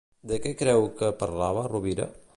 De què creu que parlava Rubira?